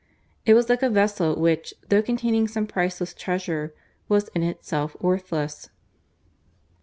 It was like a vessel which, though containing some priceless treasure, was in itself worthless.